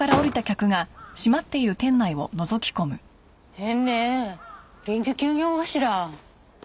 変ねえ臨時休業かしら？